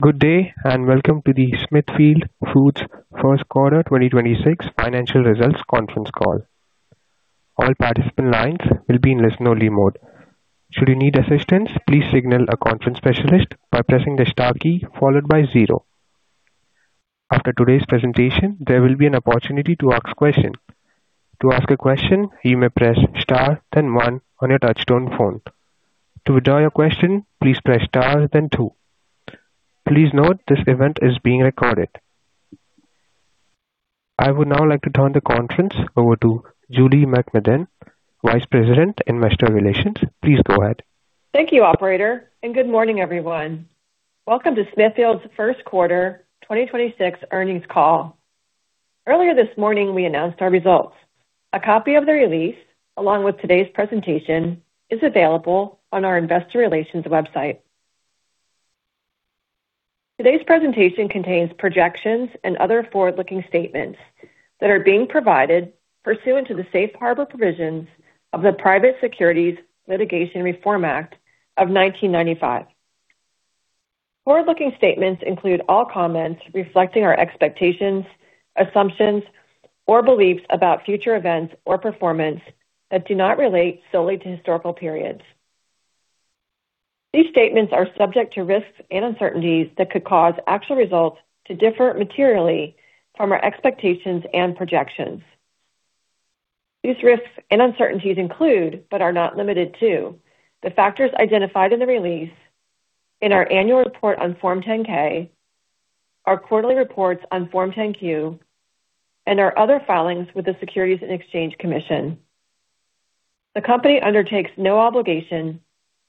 Good day, and welcome to the Smithfield Foods First Quarter 2026 financial results conference call. All participant lines will be in listen-only mode. Should you need assistance, please signal a conference specialist by pressing the star key followed by zero. After today's presentation, there will be an opportunity to ask questions. To ask a question, you may press star then one on your touchtone phone. To withdraw your question, please press star then two. Please note this event is being recorded. I would now like to turn the conference over to Julie MacMedan, Vice President, Investor Relations. Please go ahead. Thank you, operator, and good morning, everyone. Welcome to Smithfield's first quarter 2026 earnings call. Earlier this morning, we announced our results. A copy of the release, along with today's presentation, is available on our investor relations website. Today's presentation contains projections and other forward-looking statements that are being provided pursuant to the safe harbor provisions of the Private Securities Litigation Reform Act of 1995. Forward-looking statements include all comments reflecting our expectations, assumptions, or beliefs about future events or performance that do not relate solely to historical periods. These statements are subject to risks and uncertainties that could cause actual results to differ materially from our expectations and projections. These risks and uncertainties include, but are not limited to, the factors identified in the release in our annual report on Form 10-K, our quarterly reports on Form 10-Q, and our other filings with the Securities and Exchange Commission. The company undertakes no obligation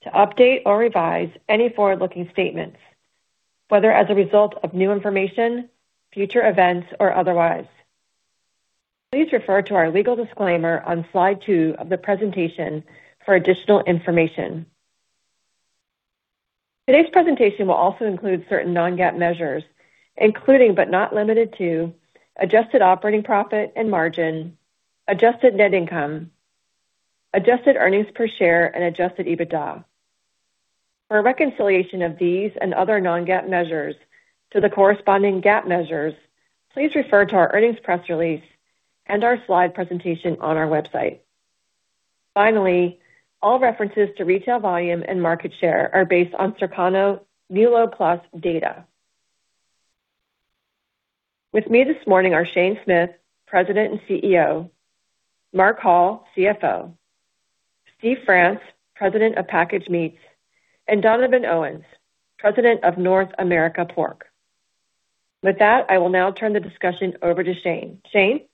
to update or revise any forward-looking statements, whether as a result of new information, future events, or otherwise. Please refer to our legal disclaimer on slide two of the presentation for additional information. Today's presentation will also include certain non-GAAP measures, including, but not limited to adjusted operating profit and margin, adjusted net income, adjusted earnings per share, and adjusted EBITDA. For a reconciliation of these and other non-GAAP measures to the corresponding GAAP measures, please refer to our earnings press release and our slide presentation on our website. Finally, all references to retail volume and market share are based on Circana MULO+ data. With me this morning are Shane Smith, president and CEO, Mark Hall, CFO, Steve France, president of Packaged Meats, and Donovan Owens, president of North America Pork. With that, I will now turn the discussion over to Shane. Shane.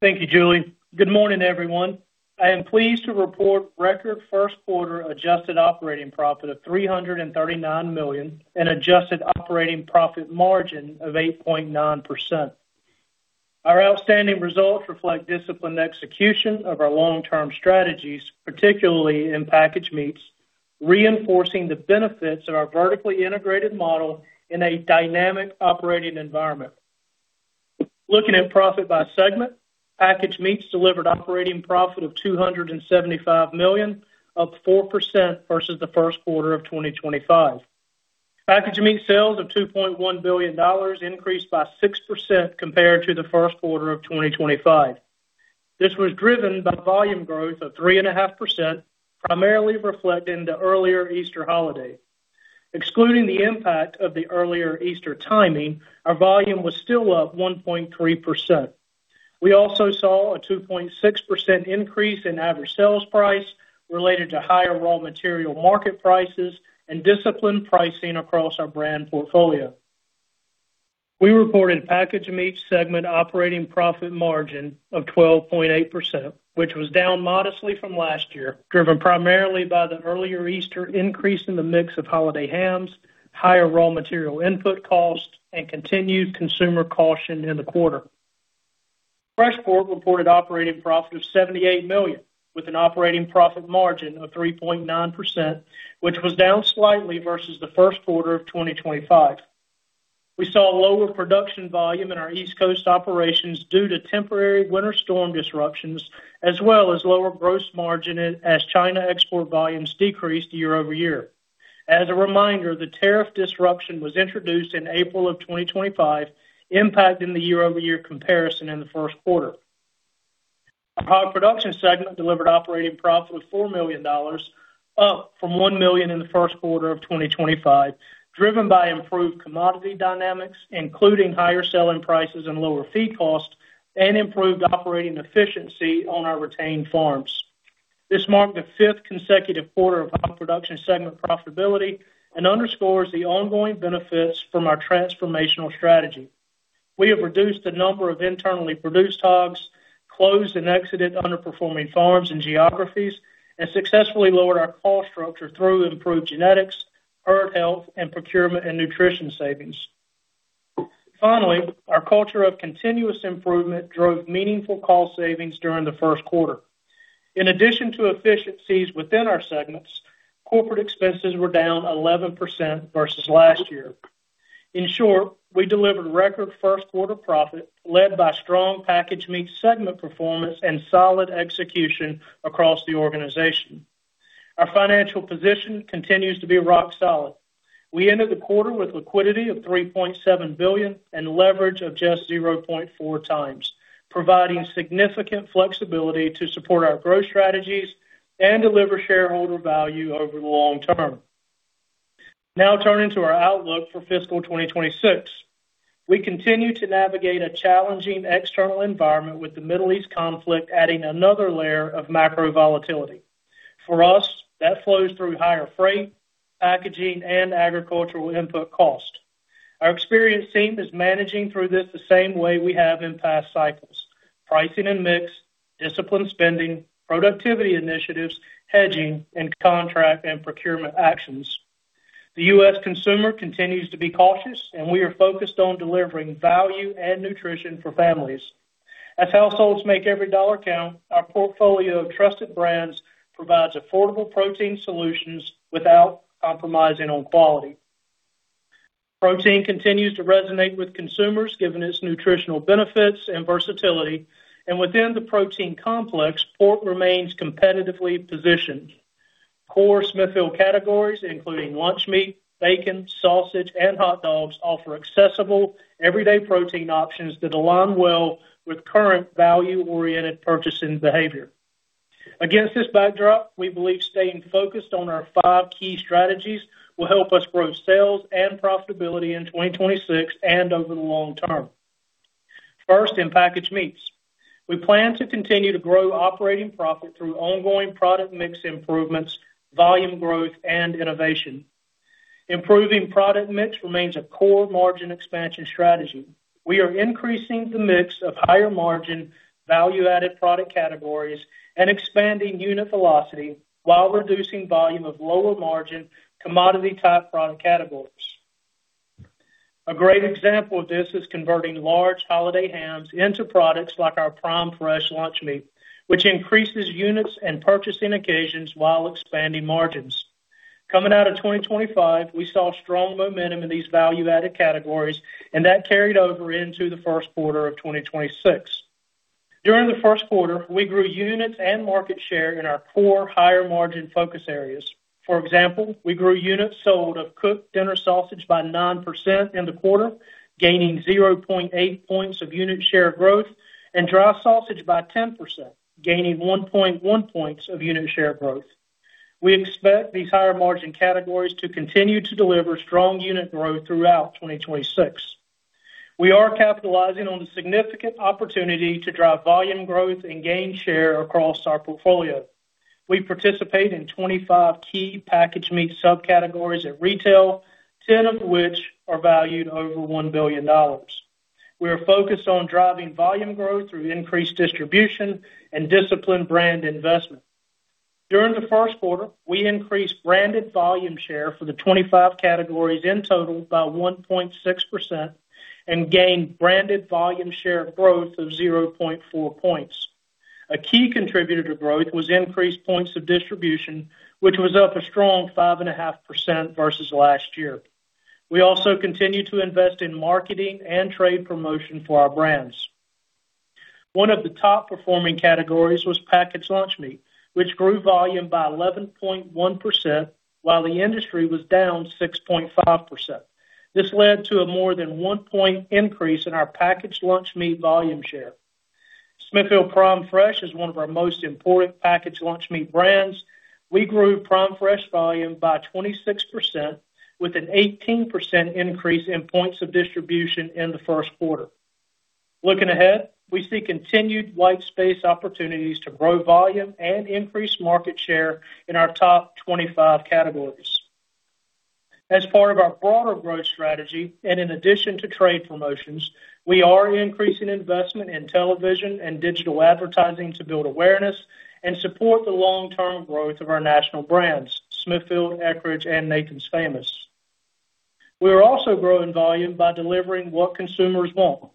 Thank you, Julie. Good morning, everyone. I am pleased to report record first quarter adjusted operating profit of $339 million and adjusted operating profit margin of 8.9%. Our outstanding results reflect disciplined execution of our long-term strategies, particularly in Packaged Meats, reinforcing the benefits of our vertically integrated model in a dynamic operating environment. Looking at profit by segment, Packaged Meats delivered operating profit of $275 million, up 4% versus the first quarter of 2025. Packaged Meats sales of $2.1 billion increased by 6% compared to the first quarter of 2025. This was driven by volume growth of 3.5%, primarily reflecting the earlier Easter holiday. Excluding the impact of the earlier Easter timing, our volume was still up 1.3%. We also saw a 2.6% increase in average sales price related to higher raw material market prices and disciplined pricing across our brand portfolio. We reported Packaged Meats segment operating profit margin of 12.8%, which was down modestly from last year, driven primarily by the earlier Easter increase in the mix of holiday hams, higher raw material input costs, and continued consumer caution in the quarter. Fresh Pork reported operating profit of $78 million with an operating profit margin of 3.9%, which was down slightly versus the first quarter of 2025. We saw lower production volume in our East Coast operations due to temporary winter storm disruptions as well as lower gross margin as China export volumes decreased year-over-year. As a reminder, the tariff disruption was introduced in April of 2025, impacting the year-over-year comparison in the first quarter. Our Hog Production segment delivered operating profit of $4 million, up from $1 million in the first quarter of 2025, driven by improved commodity dynamics, including higher selling prices and lower feed costs and improved operating efficiency on our retained farms. This marked the fifth consecutive quarter of Hog Production segment profitability and underscores the ongoing benefits from our transformational strategy. We have reduced the number of internally produced hogs, closed and exited underperforming farms and geographies, and successfully lowered our cost structure through improved genetics, herd health, and procurement and nutrition savings. Finally, our culture of continuous improvement drove meaningful cost savings during the first quarter. In addition to efficiencies within our segments, corporate expenses were down 11% versus last year. In short, we delivered record first quarter profit led by strong Packaged Meats segment performance and solid execution across the organization. Our financial position continues to be rock solid. We ended the quarter with liquidity of $3.7 billion and leverage of just 0.4x, providing significant flexibility to support our growth strategies and deliver shareholder value over the long term. Turning to our outlook for fiscal 2026. We continue to navigate a challenging external environment with the Middle East conflict adding another layer of macro volatility. For us, that flows through higher freight, packaging and agricultural input cost. Our experienced team is managing through this the same way we have in past cycles: pricing and mix, disciplined spending, productivity initiatives, hedging, and contract and procurement actions. The US consumer continues to be cautious, and we are focused on delivering value and nutrition for families. As households make every dollar count, our portfolio of trusted brands provides affordable protein solutions without compromising on quality. Protein continues to resonate with consumers, given its nutritional benefits and versatility. Within the protein complex, pork remains competitively positioned. Core Smithfield categories, including lunch meat, bacon, sausage, and hot dogs, offer accessible, everyday protein options that align well with current value-oriented purchasing behavior. Against this backdrop, we believe staying focused on our five key strategies will help us grow sales and profitability in 2026 and over the long term. First, in Packaged Meats. We plan to continue to grow operating profit through ongoing product mix improvements, volume growth, and innovation. Improving product mix remains a core margin expansion strategy. We are increasing the mix of higher margin, value-added product categories and expanding unit velocity while reducing volume of lower margin commodity-type product categories. A great example of this is converting large holiday hams into products like our Prime Fresh lunch meat, which increases units and purchasing occasions while expanding margins. Coming out of 2025, we saw strong momentum in these value-added categories, that carried over into the first quarter of 2026. During the first quarter, we grew units and market share in our core higher-margin focus areas. For example, we grew units sold of cooked dinner sausage by 9% in the quarter, gaining 0.8 points of unit share growth and dry sausage by 10%, gaining 1.1 points of unit share growth. We expect these higher-margin categories to continue to deliver strong unit growth throughout 2026. We are capitalizing on the significant opportunity to drive volume growth and gain share across our portfolio. We participate in 25 key Packaged Meats subcategories at retail, 10 of which are valued over $1 billion. We are focused on driving volume growth through increased distribution and disciplined brand investment. During the first quarter, we increased branded volume share for the 25 categories in total by 1.6% and gained branded volume share growth of 0.4 points. A key contributor to growth was increased points of distribution, which was up a strong 5.5% versus last year. We also continued to invest in marketing and trade promotion for our brands. One of the top-performing categories was packaged lunch meat, which grew volume by 11.1%, while the industry was down 6.5%. This led to a more than one point increase in our packaged lunch meat volume share. Smithfield Prime Fresh is one of our most important packaged lunch meat brands. We grew Prime Fresh volume by 26% with an 18% increase in points of distribution in the first quarter. Looking ahead, we see continued white space opportunities to grow volume and increase market share in our top 25 categories. As part of our broader growth strategy, and in addition to trade promotions, we are increasing investment in television and digital advertising to build awareness and support the long-term growth of our national brands, Smithfield, Eckrich, and Nathan's Famous. We are also growing volume by delivering what consumers want.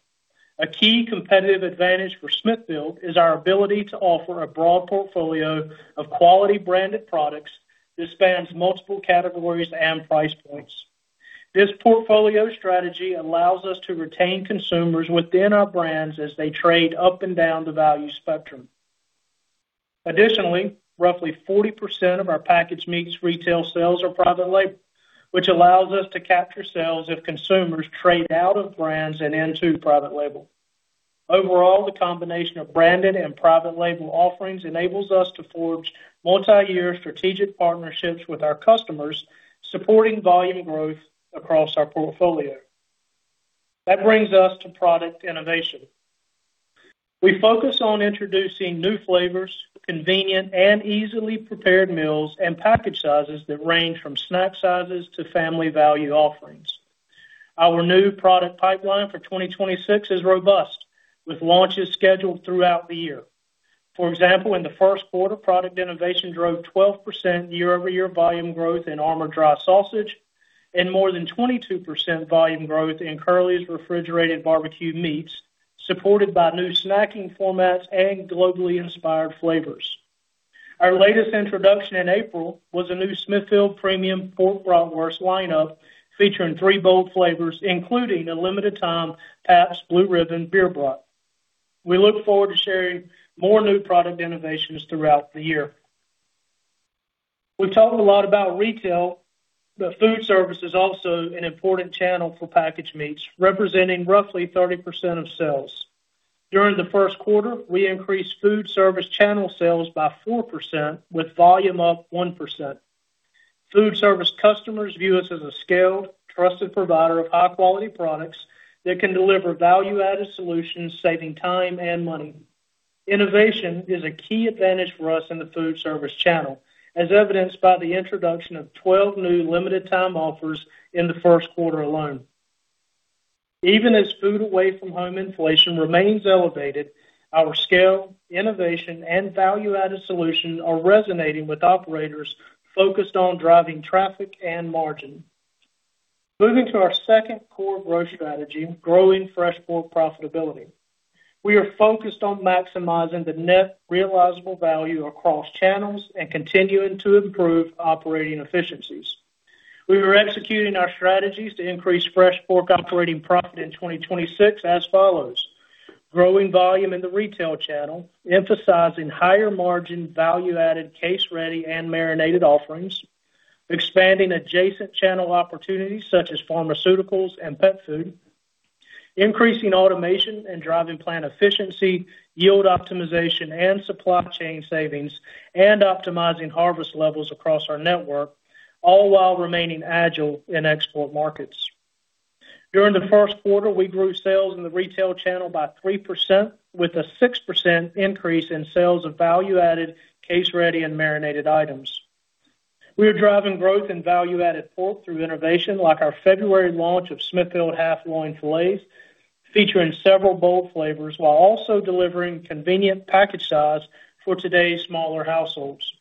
A key competitive advantage for Smithfield is our ability to offer a broad portfolio of quality branded products that spans multiple categories and price points. This portfolio strategy allows us to retain consumers within our brands as they trade up and down the value spectrum. Additionally, roughly 40% of our Packaged Meats retail sales are private label, which allows us to capture sales if consumers trade out of brands and into private label. Overall, the combination of branded and private label offerings enables us to forge multi-year strategic partnerships with our customers, supporting volume growth across our portfolio. That brings us to product innovation. We focus on introducing new flavors, convenient and easily prepared meals, and package sizes that range from snack sizes to family value offerings. Our new product pipeline for 2026 is robust, with launches scheduled throughout the year. For example, in the first quarter, product innovation drove 12% year-over-year volume growth in Armour dry sausage and more than 22% volume growth in Curly's refrigerated barbecue meats, supported by new snacking formats and globally inspired flavors. Our latest introduction in April was a new Smithfield Premium Pork Bratwurst lineup featuring 3 bold flavors, including a limited time Pabst Blue Ribbon beer brat. We look forward to sharing more new product innovations throughout the year. We've talked a lot about retail, but food service is also an important channel for Packaged Meats, representing roughly 30% of sales. During the first quarter, we increased food service channel sales by 4% with volume up 1%. Food service customers view us as a scaled, trusted provider of high-quality products that can deliver value-added solutions, saving time and money. Innovation is a key advantage for us in the food service channel, as evidenced by the introduction of 12 new limited time offers in the first quarter alone. Even as food away from home inflation remains elevated, our scale, innovation, and value-added solution are resonating with operators focused on driving traffic and margin. Moving to our second core growth strategy, growing Fresh Pork profitability. We are focused on maximizing the net realizable value across channels and continuing to improve operating efficiencies. We are executing our strategies to increase Fresh Pork operating profit in 2026 as follows: growing volume in the retail channel, emphasizing higher margin value-added, case-ready and marinated offerings, expanding adjacent channel opportunities such as pharmaceuticals and pet food, increasing automation and driving plant efficiency, yield optimization and supply chain savings, and optimizing harvest levels across our network, all while remaining agile in export markets. During the first quarter, we grew sales in the retail channel by 3% with a 6% increase in sales of value-added, case-ready and marinated items. We are driving growth in value-added pork through innovation like our February launch of Smithfield Pork Loin Filet, featuring several bold flavors while also delivering convenient package size for today's smaller households.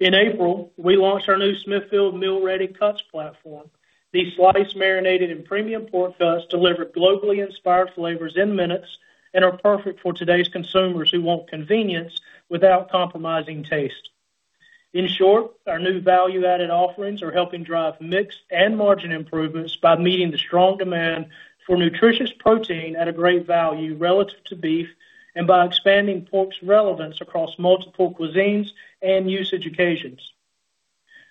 In April, we launched our new Smithfield Meal Ready Cuts platform. These sliced, marinated and premium pork cuts deliver globally inspired flavors in minutes and are perfect for today's consumers who want convenience without compromising taste. In short, our new value-added offerings are helping drive mix and margin improvements by meeting the strong demand for nutritious protein at a great value relative to beef and by expanding pork's relevance across multiple cuisines and usage occasions.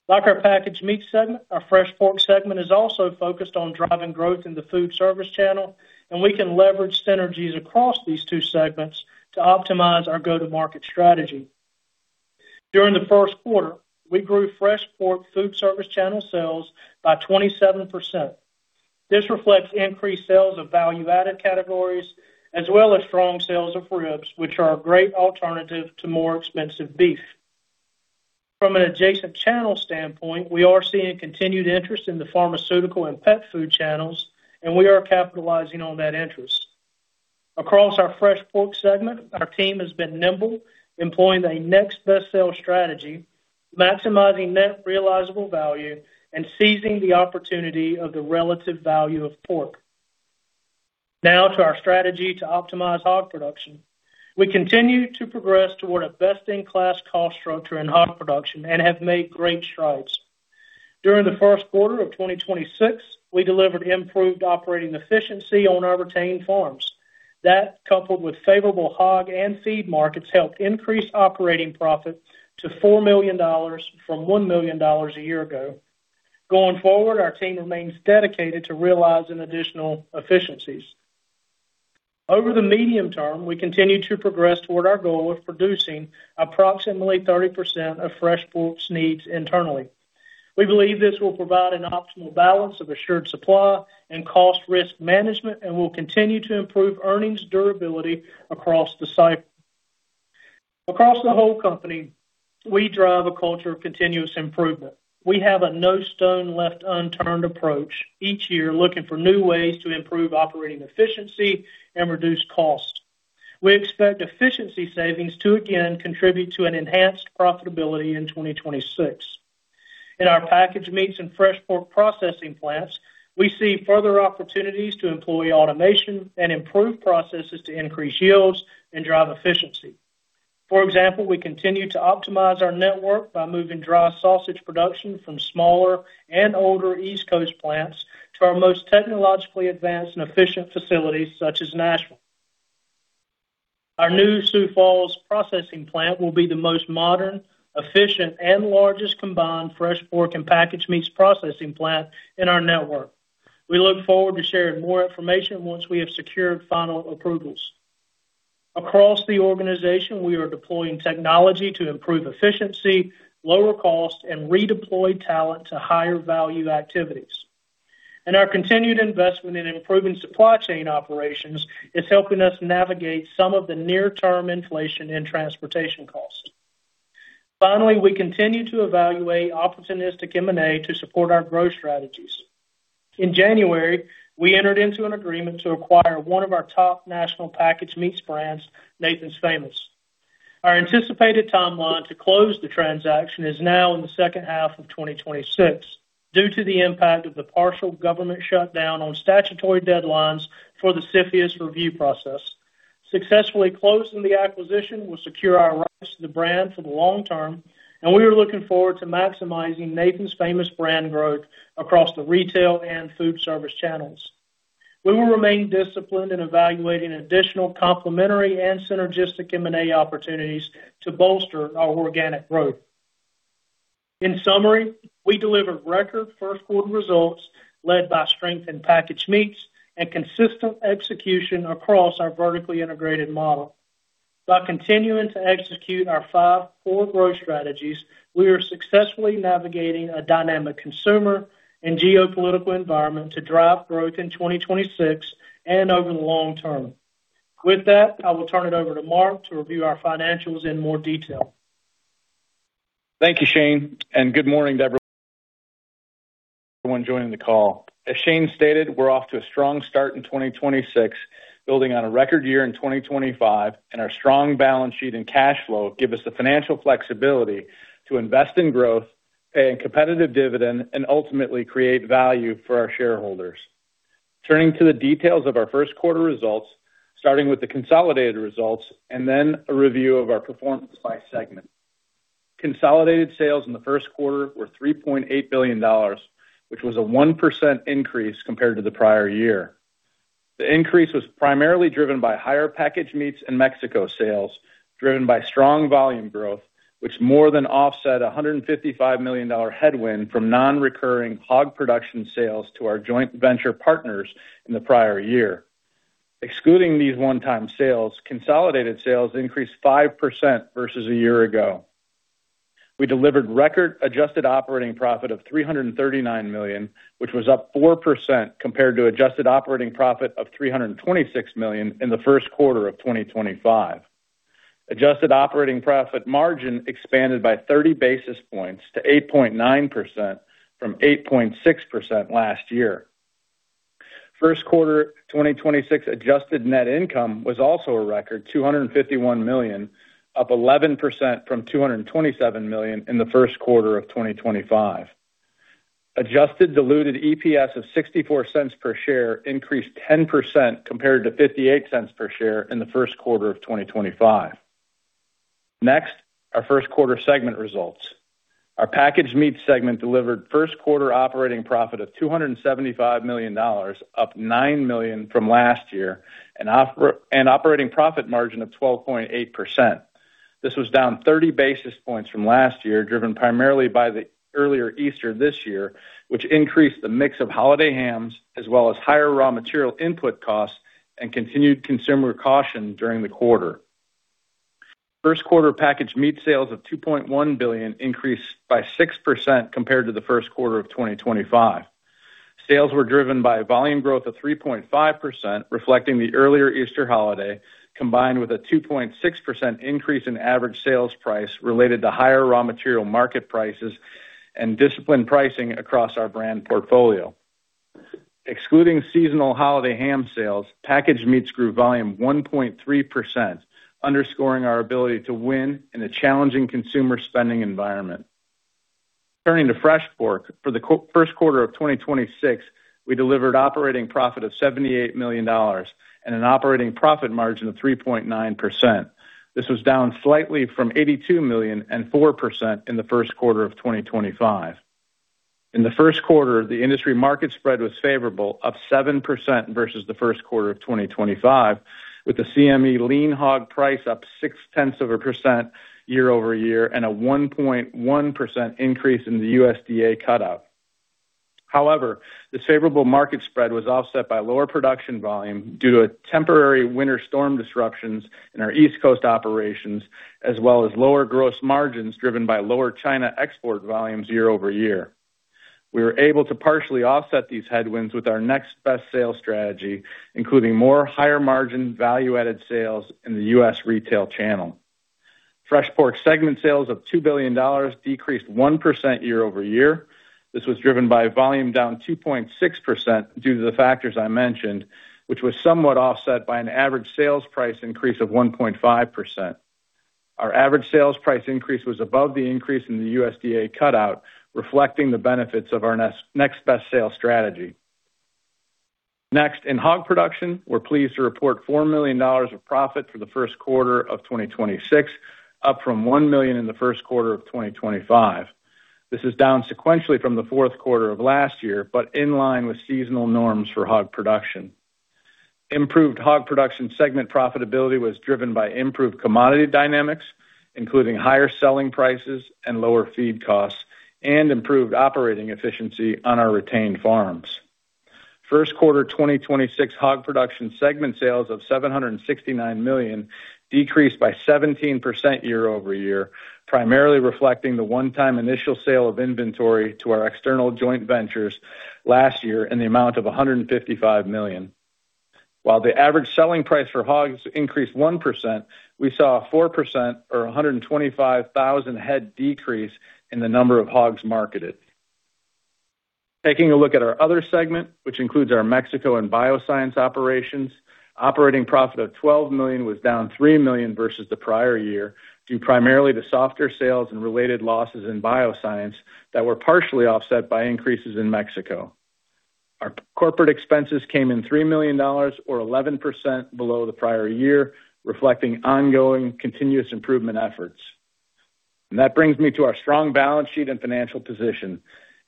Like our Packaged Meats segment, our Fresh Pork segment is also focused on driving growth in the food service channel, and we can leverage synergies across these two segments to optimize our go-to-market strategy. During the first quarter, we grew Fresh Pork food service channel sales by 27%. This reflects increased sales of value-added categories as well as strong sales of ribs, which are a great alternative to more expensive beef. From an adjacent channel standpoint, we are seeing continued interest in the pharmaceutical and pet food channels, and we are capitalizing on that interest. Across our Fresh Pork segment, our team has been nimble, employing a next best sales strategy, maximizing net realizable value, and seizing the opportunity of the relative value of pork. Now to our strategy to optimize Hog Production. We continue to progress toward a best-in-class cost structure in Hog Production and have made great strides. During the first quarter of 2026, we delivered improved operating efficiency on our retained farms. That, coupled with favorable hog and feed markets, helped increase operating profit to $4 million from $1 million a year ago. Going forward, our team remains dedicated to realizing additional efficiencies. Over the medium term, we continue to progress toward our goal of producing approximately 30% of Fresh Pork's needs internally. We believe this will provide an optimal balance of assured supply and cost risk management and will continue to improve earnings durability across the cycle. Across the whole company, we drive a culture of continuous improvement. We have a no stone left unturned approach each year looking for new ways to improve operating efficiency and reduce cost. We expect efficiency savings to again contribute to an enhanced profitability in 2026. In our Packaged Meats and Fresh Pork processing plants, we see further opportunities to employ automation and improve processes to increase yields and drive efficiency. For example, we continue to optimize our network by moving dry sausage production from smaller and older East Coast plants to our most technologically advanced and efficient facilities such as Nashville. Our new Sioux Falls processing plant will be the most modern, efficient, and largest combined Fresh Pork and Packaged Meats processing plant in our network. We look forward to sharing more information once we have secured final approvals. Across the organization, we are deploying technology to improve efficiency, lower cost, and redeploy talent to higher value activities. Our continued investment in improving supply chain operations is helping us navigate some of the near-term inflation in transportation costs. Finally, we continue to evaluate opportunistic M&A to support our growth strategies. In January, we entered into an agreement to acquire one of our top national Packaged Meats brands, Nathan's Famous. Our anticipated timeline to close the transaction is now in the second half of 2026. Due to the impact of the partial government shutdown on statutory deadlines for the CFIUS review process. Successfully closing the acquisition will secure our rights to the brand for the long term. We are looking forward to maximizing Nathan's Famous brand growth across the retail and food service channels. We will remain disciplined in evaluating additional complementary and synergistic M&A opportunities to bolster our organic growth. In summary, we delivered record first quarter results led by strength in Packaged Meats and consistent execution across our vertically integrated model. By continuing to execute our five core growth strategies, we are successfully navigating a dynamic consumer and geopolitical environment to drive growth in 2026 and over the long term. With that, I will turn it over to Mark to review our financials in more detail. Thank you, Shane. Good morning everyone joining the call. As Shane stated, we're off to a strong start in 2026, building on a record year in 2025, and our strong balance sheet and cash flow give us the financial flexibility to invest in growth, pay a competitive dividend, and ultimately create value for our shareholders. Turning to the details of our first quarter results, starting with the consolidated results and then a review of our performance by segment. Consolidated sales in the first quarter were $3.8 billion, which was a 1% increase compared to the prior year. The increase was primarily driven by higher Packaged Meats and Mexico sales, driven by strong volume growth, which more than offset a $155 million headwind from non-recurring Hog Production sales to our joint venture partners in the prior year. Excluding these one-time sales, consolidated sales increased 5% versus a year ago. We delivered record adjusted operating profit of $339 million, which was up 4% compared to adjusted operating profit of $326 million in the first quarter of 2025. Adjusted operating profit margin expanded by 30 basis points to 8.9% from 8.6% last year. First quarter 2026 adjusted net income was also a record $251 million, up 11% from $227 million in the first quarter of 2025. Adjusted diluted EPS of $0.64 per share increased 10% compared to $0.58 per share in the first quarter of 2025. Our first quarter segment results. Our Packaged Meats segment delivered first quarter operating profit of $275 million, up $9 million from last year, operating profit margin of 12.8%. This was down 30 basis points from last year, driven primarily by the earlier Easter this year, which increased the mix of holiday hams as well as higher raw material input costs and continued consumer caution during the quarter. First quarter Packaged Meats sales of $2.1 billion increased by 6% compared to the first quarter of 2025. Sales were driven by volume growth of 3.5%, reflecting the earlier Easter holiday, combined with a 2.6% increase in average sales price related to higher raw material market prices and disciplined pricing across our brand portfolio. Excluding seasonal holiday ham sales, Packaged Meats grew volume 1.3%, underscoring our ability to win in a challenging consumer spending environment. Turning to Fresh Pork, for the first quarter of 2026, we delivered operating profit of $78 million and an operating profit margin of 3.9%. This was down slightly from $82 million and 4% in the first quarter of 2025. In the first quarter, the industry market spread was favorable, up 7% versus the first quarter of 2025, with the CME lean hog price up 0.6% year-over-year and a 1.1% increase in the USDA cutout. This favorable market spread was offset by lower production volume due to a temporary winter storm disruptions in our East Coast operations, as well as lower gross margins driven by lower China export volumes year-over-year. We were able to partially offset these headwinds with our next best sales strategy, including more higher margin value-added sales in the U.S. retail channel. Fresh Pork segment sales of $2 billion decreased 1% year-over-year. This was driven by volume down 2.6% due to the factors I mentioned, which was somewhat offset by an average sales price increase of 1.5%. Our average sales price increase was above the increase in the USDA cutout, reflecting the benefits of our next best sales strategy. In Hog Production, we're pleased to report $4 million of profit for the first quarter of 2026, up from $1 million in the first quarter of 2025. This is down sequentially from the fourth quarter of last year, but in line with seasonal norms for Hog Production. Improved Hog Production segment profitability was driven by improved commodity dynamics, including higher selling prices and lower feed costs, and improved operating efficiency on our retained farms. First quarter 2026 Hog Production segment sales of $769 million decreased by 17% year-over-year, primarily reflecting the one-time initial sale of inventory to our external joint ventures last year in the amount of $155 million. While the average selling price for hogs increased 1%, we saw a 4% or 125,000 head decrease in the number of hogs marketed. Taking a look at our other segment, which includes our Mexico and bioscience operations. Operating profit of $12 million was down $3 million versus the prior year, due primarily to softer sales and related losses in bioscience that were partially offset by increases in Mexico. Our corporate expenses came in $3 million or 11% below the prior year, reflecting ongoing continuous improvement efforts. That brings me to our strong balance sheet and financial position.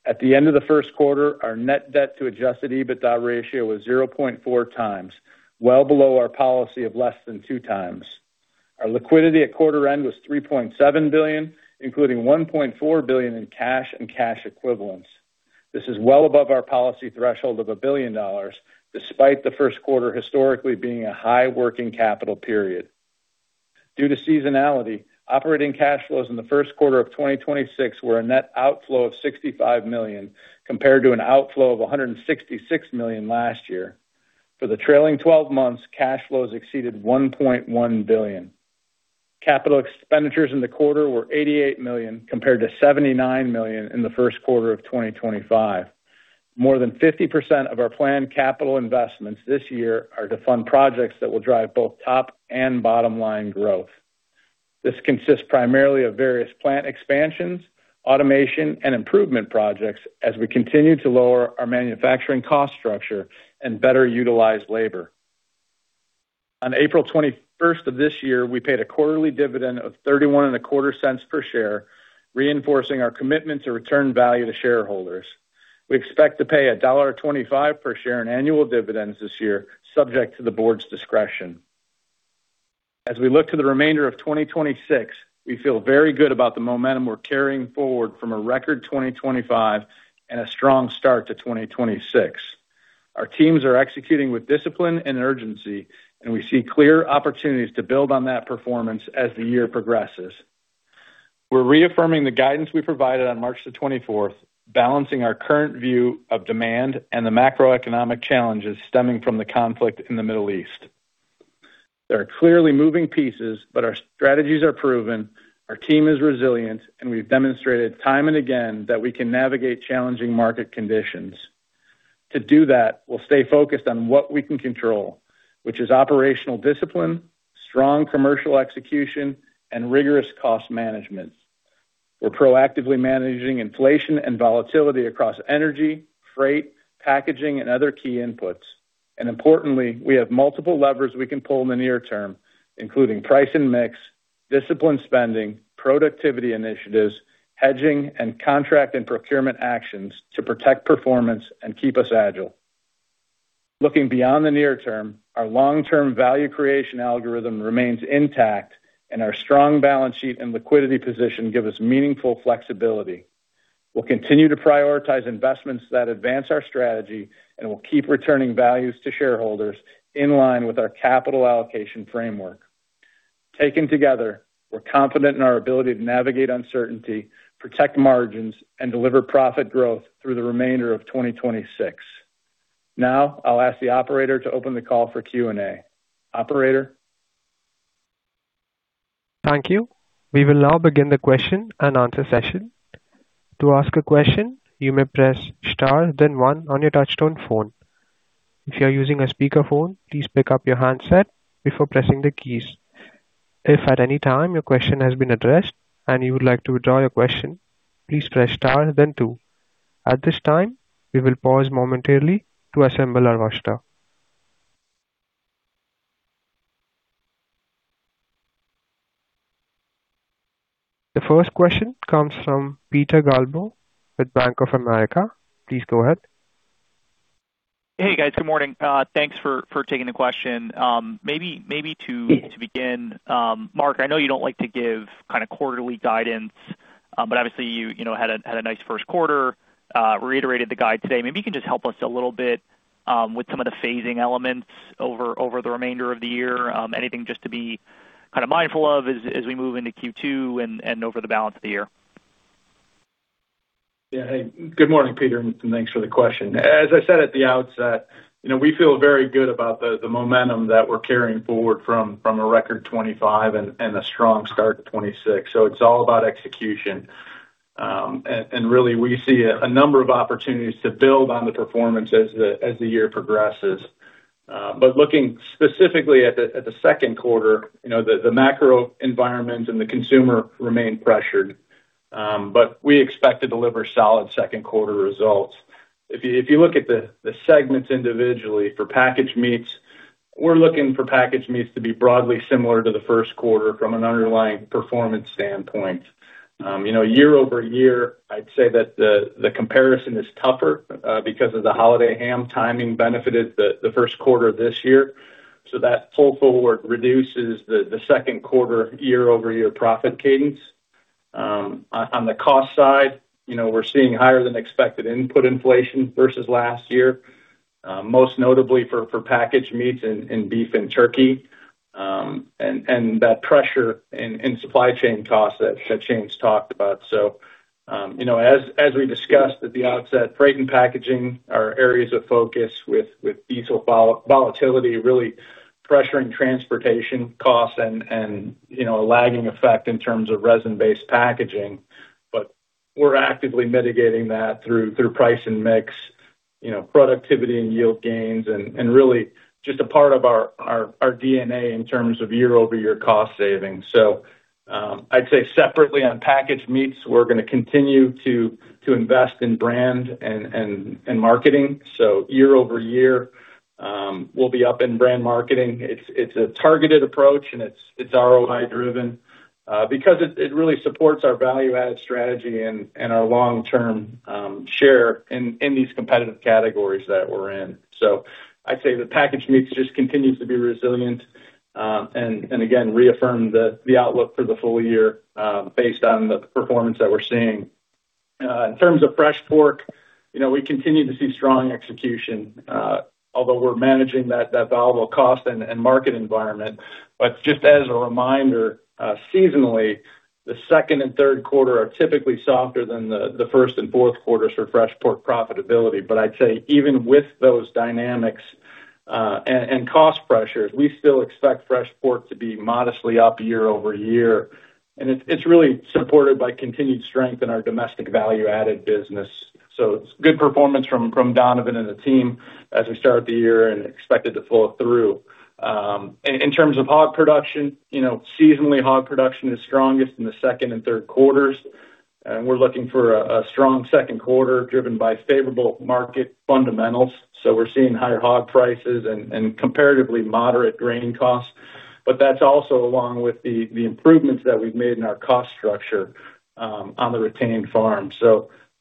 At the end of the first quarter, our net debt to adjusted EBITDA ratio was 0.4x, well below our policy of less than 2x. Our liquidity at quarter end was $3.7 billion, including $1.4 billion in cash and cash equivalents. This is well above our policy threshold of $1 billion, despite the first quarter historically being a high working capital period. Due to seasonality, operating cash flows in the first quarter of 2026 were a net outflow of $65 million, compared to an outflow of $166 million last year. For the trailing 12 months, cash flows exceeded $1.1 billion. Capital expenditures in the quarter were $88 million compared to $79 million in the first quarter of 2025. More than 50% of our planned capital investments this year are to fund projects that will drive both top and bottom-line growth. This consists primarily of various plant expansions, automation, and improvement projects as we continue to lower our manufacturing cost structure and better utilize labor. On April 21st of this year, we paid a quarterly dividend of $0.3125 per share, reinforcing our commitment to return value to shareholders. We expect to pay $1.25 per share in annual dividends this year, subject to the board's discretion. As we look to the remainder of 2026, we feel very good about the momentum we're carrying forward from a record 2025 and a strong start to 2026. Our teams are executing with discipline and urgency, and we see clear opportunities to build on that performance as the year progresses. We're reaffirming the guidance we provided on March 24th, balancing our current view of demand and the macroeconomic challenges stemming from the conflict in the Middle East. There are clearly moving pieces, but our strategies are proven, our team is resilient, and we've demonstrated time and again that we can navigate challenging market conditions. To do that, we'll stay focused on what we can control, which is operational discipline, strong commercial execution, and rigorous cost management. We're proactively managing inflation and volatility across energy, freight, packaging, and other key inputs. Importantly, we have multiple levers we can pull in the near term, including price and mix, disciplined spending, productivity initiatives, hedging, and contract and procurement actions to protect performance and keep us agile. Looking beyond the near term, our long-term value creation algorithm remains intact, and our strong balance sheet and liquidity position give us meaningful flexibility. We'll continue to prioritize investments that advance our strategy, and we'll keep returning values to shareholders in line with our capital allocation framework. Taken together, we're confident in our ability to navigate uncertainty, protect margins, and deliver profit growth through the remainder of 2026. Now, I'll ask the operator to open the call for Q&A. Operator? Thank you. We will now begin the question-and-answer session. The first question comes from Peter Galbo with Bank of America. Please go ahead. Hey, guys. Good morning. Thanks for taking the question. Maybe to begin, Mark, I know you don't like to give kind of quarterly guidance, but obviously you know had a nice first quarter, reiterated the guide today. Maybe you can just help us a little bit with some of the phasing elements over the remainder of the year. Anything just to be kind of mindful of as we move into Q2 and over the balance of the year? Yeah. Hey, good morning, Peter, and thanks for the question. As I said at the outset, you know, we feel very good about the momentum that we're carrying forward from a record 2025 and a strong start to 2026. It's all about execution. And really we see a number of opportunities to build on the performance as the year progresses. Looking specifically at the second quarter, you know, the macro environment and the consumer remain pressured, but we expect to deliver solid second quarter results. If you look at the segments individually, for Packaged Meats, we're looking for Packaged Meats to be broadly similar to the first quarter from an underlying performance standpoint. You know, year-over-year, I'd say that the comparison is tougher because of the holiday ham timing benefited the first quarter of this year. That pull forward reduces the second quarter year-over-year profit cadence. On the cost side, you know, we're seeing higher than expected input inflation versus last year, most notably for Packaged Meats in beef and turkey, and that pressure in supply chain costs that Shane Smith talked about. You know, as we discussed at the outset, freight and packaging are areas of focus with diesel volatility really. Pressuring transportation costs and, you know, a lagging effect in terms of resin-based packaging. We're actively mitigating that through price and mix, you know, productivity and yield gains and really just a part of our DNA in terms of year-over-year cost savings. I'd say separately on Packaged Meats, we're gonna continue to invest in brand and marketing. Year-over-year, we'll be up in brand marketing. It's a targeted approach, and it's ROI driven because it really supports our value-added strategy and our long-term share in these competitive categories that we're in. I'd say the Packaged Meats just continues to be resilient, and again, reaffirm the outlook for the full year based on the performance that we're seeing. In terms of Fresh Pork, you know, we continue to see strong execution, although we're managing that volatile cost and market environment. Just as a reminder, seasonally, the second and third quarter are typically softer than the first and fourth quarters for Fresh Pork profitability. I'd say even with those dynamics, and cost pressures, we still expect Fresh Pork to be modestly up year-over-year. It's really supported by continued strength in our domestic value-added business. It's good performance from Donovan and the team as we start the year and expect it to flow through. In terms of Hog Production, you know, seasonally, Hog Production is strongest in the second and third quarters. We're looking for a strong second quarter driven by favorable market fundamentals. We're seeing higher hog prices and comparatively moderate grain costs. That's also along with the improvements that we've made in our cost structure on the retained farm.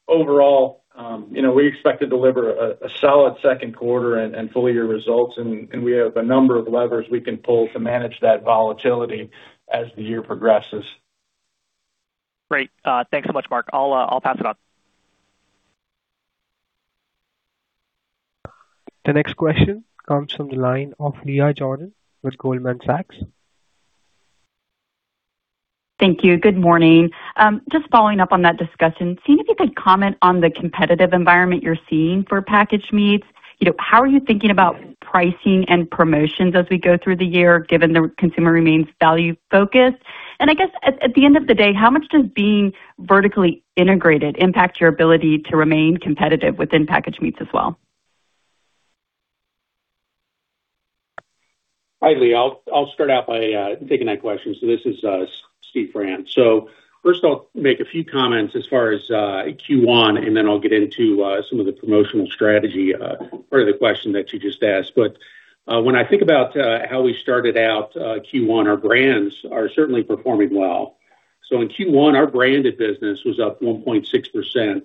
Overall, you know, we expect to deliver a solid second quarter and full year results, and we have a number of levers we can pull to manage that volatility as the year progresses. Great. Thanks so much, Mark. I'll pass it on. The next question comes from the line of Leah Jordan with Goldman Sachs. Thank you. Good morning. Just following up on that discussion, seeing if you could comment on the competitive environment you're seeing for Packaged Meats. You know, how are you thinking about pricing and promotions as we go through the year, given the consumer remains value-focused? I guess at the end of the day, how much does being vertically integrated impact your ability to remain competitive within Packaged Meats as well? Hi, Leah. I'll start out by taking that question. This is Steve France. First I'll make a few comments as far as Q1, then I'll get into some of the promotional strategy part of the question that you just asked. When I think about how we started out Q1, our brands are certainly performing well. In Q1, our branded business was up 1.6%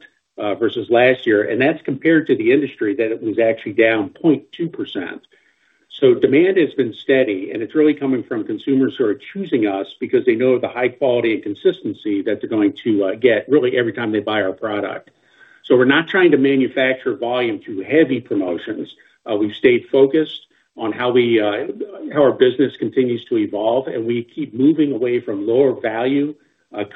versus last year, that's compared to the industry that it was actually down 0.2%. Demand has been steady, it's really coming from consumers who are choosing us because they know the high quality and consistency that they're going to get really every time they buy our product. We're not trying to manufacture volume through heavy promotions. We've stayed focused on how we, how our business continues to evolve, and we keep moving away from lower value,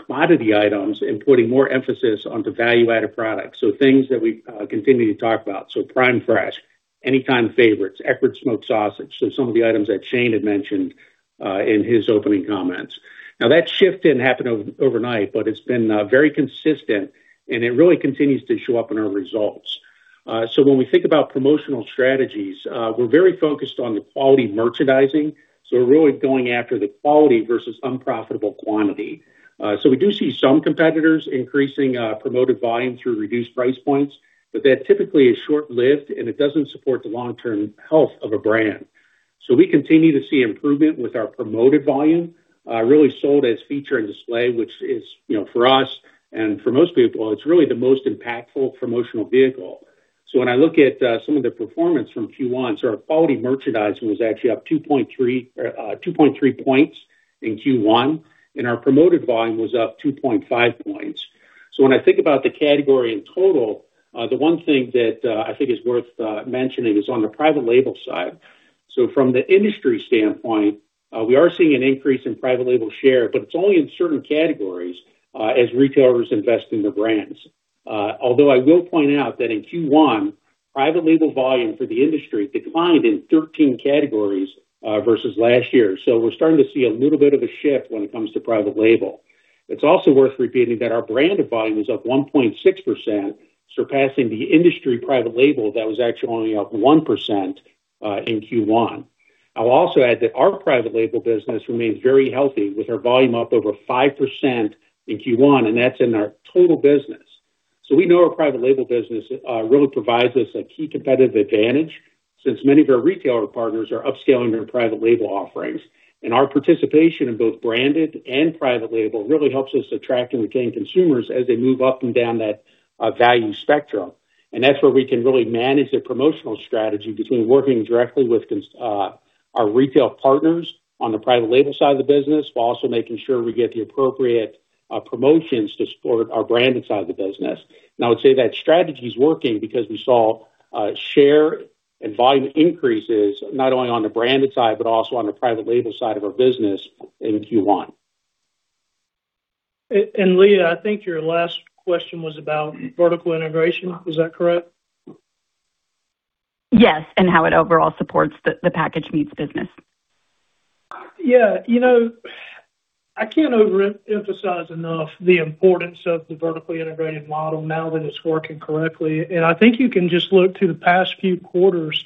commodity items and putting more emphasis onto value-added products. Things that we continue to talk about, Prime Fresh, Anytime Favorites, Eckrich Smoked Sausage, some of the items that Shane had mentioned in his opening comments. That shift didn't happen overnight, but it's been very consistent, and it really continues to show up in our results. When we think about promotional strategies, we're very focused on the quality merchandising, we're really going after the quality versus unprofitable quantity. We do see some competitors increasing promoted volume through reduced price points, but that typically is short-lived, and it doesn't support the long-term health of a brand. We continue to see improvement with our promoted volume, really sold as feature and display, which is, you know, for us and for most people, it's really the most impactful promotional vehicle. When I look at some of the performance from Q1, our quality merchandising was actually up 2.3 points in Q1, and our promoted volume was up 2.5 points. When I think about the category in total, the one thing that I think is worth mentioning is on the private label side. From the industry standpoint, we are seeing an increase in private label share, but it's only in certain categories, as retailers invest in their brands. Although I will point out that in Q1, private label volume for the industry declined in 13 categories versus last year. We're starting to see a little bit of a shift when it comes to private label. It's also worth repeating that our branded volume was up 1.6%, surpassing the industry private label that was actually only up 1% in Q1. I'll also add that our private label business remains very healthy with our volume up over 5% in Q1, and that's in our total business. We know our private label business really provides us a key competitive advantage since many of our retailer partners are upscaling their private label offerings. Our participation in both branded and private label really helps us attract and retain consumers as they move up and down that value spectrum. That's where we can really manage the promotional strategy between working directly with our retail partners on the private label side of the business, while also making sure we get the appropriate promotions to support our branded side of the business. I would say that strategy's working because we saw share and volume increases not only on the branded side, but also on the private label side of our business in Q1. Leah, I think your last question was about vertical integration. Was that correct? Yes, how it overall supports the Packaged Meats business. Yeah. You know, I can't overemphasize enough the importance of the vertically integrated model now that it's working correctly. I think you can just look to the past few quarters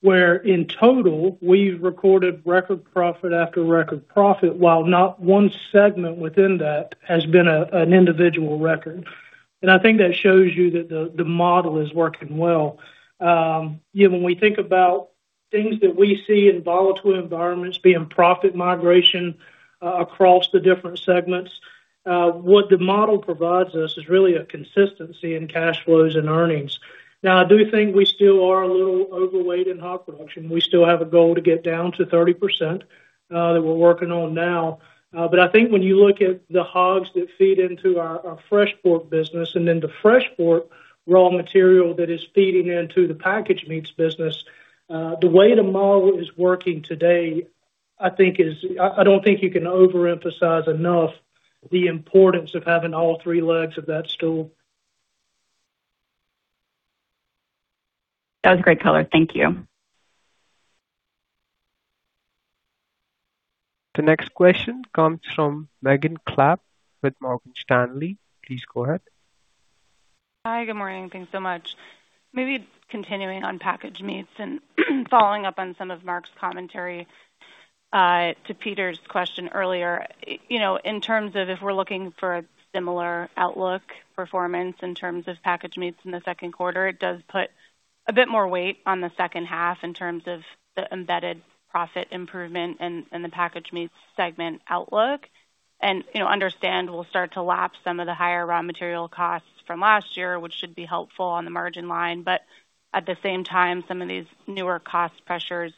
where in total, we've recorded record profit after record profit, while not 1 segment within that has been an individual record. I think that shows you that the model is working well. You know, when we think about things that we see in volatile environments being profit migration across the different segments, what the model provides us is really a consistency in cash flows and earnings. Now, I do think we still are a little overweight in Hog Production. We still have a goal to get down to 30% that we're working on now. I think when you look at the hogs that feed into our Fresh Pork business and then the Fresh Pork raw material that is feeding into the Packaged Meats business, the way the model is working today, I don't think you can overemphasize enough the importance of having all three legs of that stool. That was a great color. Thank you. The next question comes from Megan Clapp with Morgan Stanley. Please go ahead. Hi, good morning. Thanks so much. Maybe continuing on Packaged Meats and following up on some of Mark's commentary to Peter's question earlier. You know, in terms of if we're looking for a similar outlook performance in terms of Packaged Meats in the second quarter, it does put a bit more weight on the second half in terms of the embedded profit improvement and the Packaged Meats segment outlook. You know, understand we'll start to lap some of the higher raw material costs from last year, which should be helpful on the margin line. At the same time, some of these newer cost pressures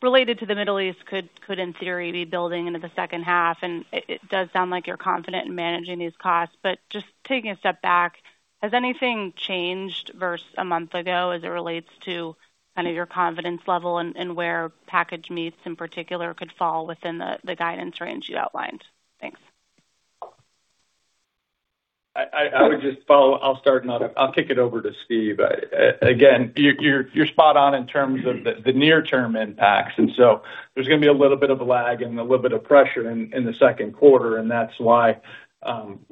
related to the Middle East could in theory be building into the second half. It does sound like you're confident in managing these costs. Just taking a step back, has anything changed versus a month ago as it relates to kind of your confidence level and where Packaged Meats, in particular, could fall within the guidance range you outlined? Thanks. I would just follow. I'll start and I'll kick it over to Steve. Again, you're spot on in terms of the near-term impacts. There's going to be a little bit of a lag and a little bit of pressure in the second quarter, and that's why,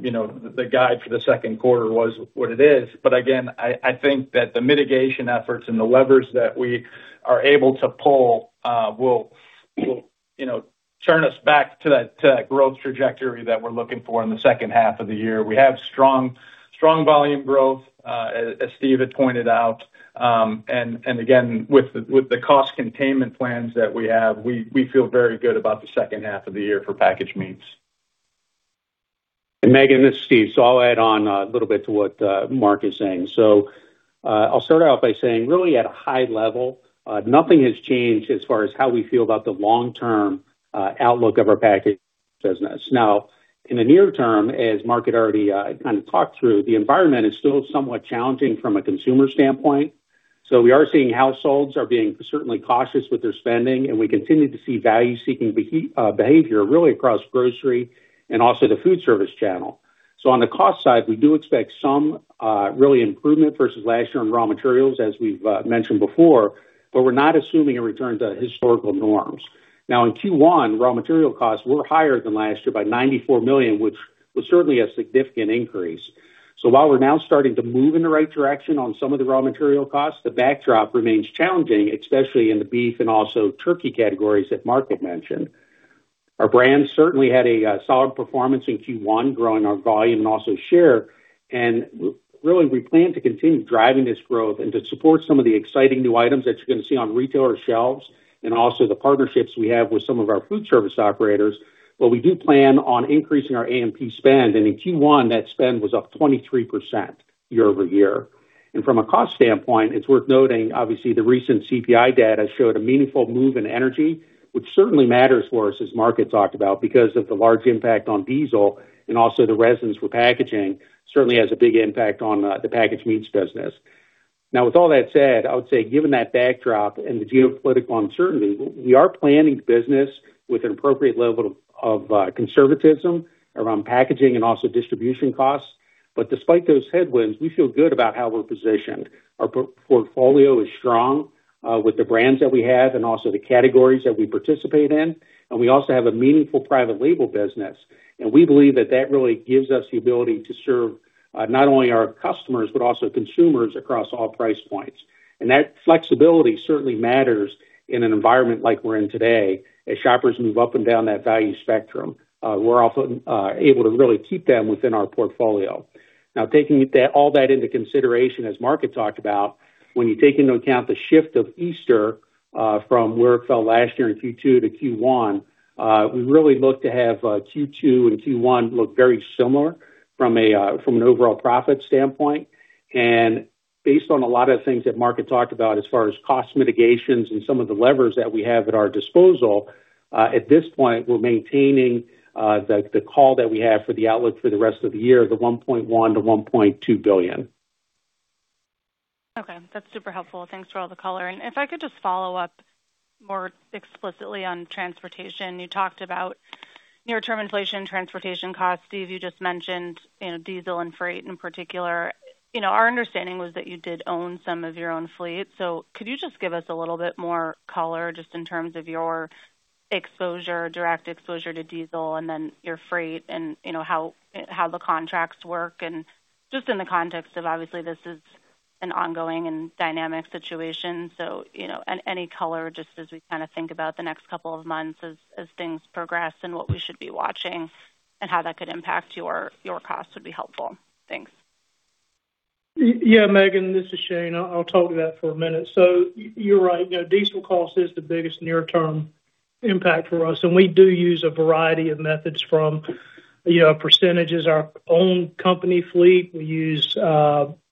you know, the guide for the second quarter was what it is. Again, I think that the mitigation efforts and the levers that we are able to pull will, you know, turn us back to that growth trajectory that we're looking for in the second half of the year. We have strong volume growth as Steve had pointed out. Again, with the cost containment plans that we have, we feel very good about the second half of the year for Packaged Meats. Megan, this is Steve. I'll add on a little bit to what Mark is saying. I'll start out by saying really at a high level, nothing has changed as far as how we feel about the long-term outlook of our Packaged Meats business. In the near term, as Mark had already kind of talked through, the environment is still somewhat challenging from a consumer standpoint. We are seeing households are being certainly cautious with their spending, and we continue to see value-seeking behavior really across grocery and also the food service channel. On the cost side, we do expect some really improvement versus last year on raw materials, as we've mentioned before, but we're not assuming a return to historical norms. In Q1, raw material costs were higher than last year by $94 million, which was certainly a significant increase. While we're now starting to move in the right direction on some of the raw material costs, the backdrop remains challenging, especially in the beef and also turkey categories that Mark had mentioned. Our brands certainly had a solid performance in Q1, growing our volume and also share. Really, we plan to continue driving this growth and to support some of the exciting new items that you're gonna see on retailer shelves and also the partnerships we have with some of our food service operators. We do plan on increasing our A&P spend. In Q1, that spend was up 23% year-over-year. From a cost standpoint, it's worth noting, obviously, the recent CPI data showed a meaningful move in energy, which certainly matters for us, as Mark had talked about, because of the large impact on diesel and also the resins for packaging certainly has a big impact on the Packaged Meats business. With all that said, I would say, given that backdrop and the geopolitical uncertainty, we are planning the business with an appropriate level of conservatism around packaging and also distribution costs. Despite those headwinds, we feel good about how we're positioned. Our portfolio is strong, with the brands that we have and also the categories that we participate in, and we also have a meaningful private label business. We believe that that really gives us the ability to serve not only our customers, but also consumers across all price points. That flexibility certainly matters in an environment like we're in today. As shoppers move up and down that value spectrum, we're often able to really keep them within our portfolio. Taking all that into consideration, as Mark had talked about, when you take into account the shift of Easter, from where it fell last year in Q2 to Q1, we really look to have Q2 and Q1 look very similar from a from an overall profit standpoint. Based on a lot of things that Mark had talked about as far as cost mitigations and some of the levers that we have at our disposal, at this point, we're maintaining the call that we have for the outlook for the rest of the year, the $1.1 billion-$1.2 billion. Okay, that's super helpful. Thanks for all the color. If I could just follow up more explicitly on transportation. You talked about near-term inflation, transportation costs. Steve, you just mentioned, you know, diesel and freight in particular. Our understanding was that you did own some of your own fleet. Could you just give us a little bit more color just in terms of your exposure, direct exposure to diesel and then your freight and, you know, how the contracts work? Just in the context of obviously this is an ongoing and dynamic situation. Any color just as we kind of think about the next couple of months as things progress and what we should be watching and how that could impact your costs would be helpful. Thanks. Yeah, Megan, this is Shane. I'll talk to that for a minute. You're right. You know, diesel cost is the biggest near-term impact for us, and we do use a variety of methods from, you know, percentages, our own company fleet. We use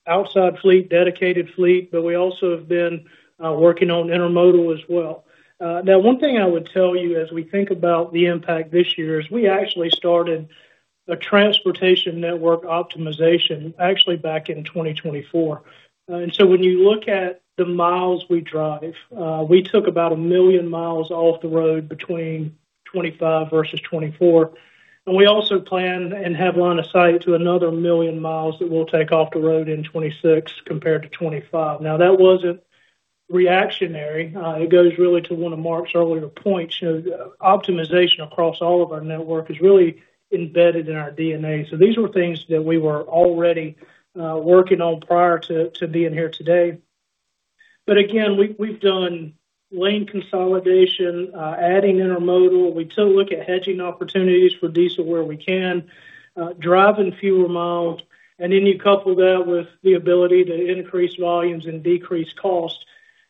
outside fleet, dedicated fleet, but we also have been working on intermodal as well. One thing I would tell you as we think about the impact this year is we actually started a transportation network optimization actually back in 2024. When you look at the miles we drive, we took about 1 million miles off the road between 2025 versus 2024. We also plan and have line of sight to another 1 million miles that we'll take off the road in 2026 compared to 2025. That wasn't reactionary. It goes really to one of Mark's earlier points. You know, optimization across all of our network is really embedded in our DNA. These were things that we were already working on prior to being here today. Again, we've done lane consolidation, adding intermodal. We still look at hedging opportunities for diesel where we can, driving fewer miles. You couple that with the ability to increase volumes and decrease costs.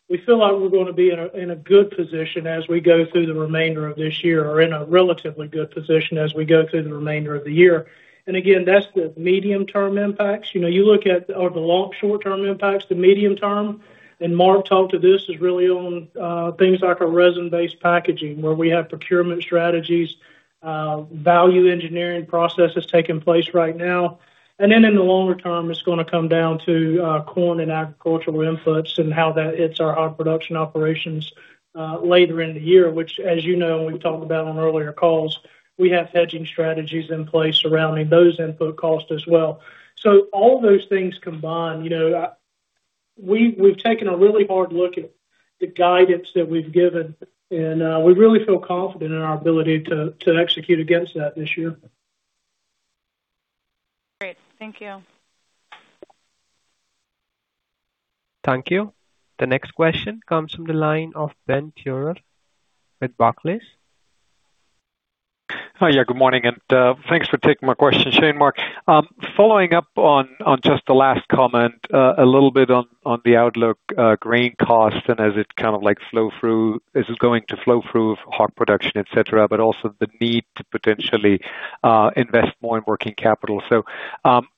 We feel like we're gonna be in a good position as we go through the remainder of this year or in a relatively good position as we go through the remainder of the year. Again, that's the medium-term impacts. You know, you look at the long/short term impacts, the medium term, and Mark talked to this, is really on things like our resin-based packaging, where we have procurement strategies, value engineering processes taking place right now. Then in the longer term, it's gonna come down to corn and agricultural inputs and how that hits our Hog Production operations later in the year, which, as you know, we've talked about on earlier calls, we have hedging strategies in place surrounding those input costs as well. All those things combined, you know, we've taken a really hard look at the guidance that we've given, and we really feel confident in our ability to execute against that this year. Great. Thank you. Thank you. The next question comes from the line of Ben Theurer with Barclays. Hi. Good morning, thanks for taking my question, Shane, Mark. Following up on just the last comment, a little bit on the outlook, grain cost and as it kind of like is it going to flow through Hog Production, et cetera, but also the need to potentially invest more in working capital.